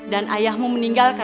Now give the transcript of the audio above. dan ayahmu meninggal di rumah kamu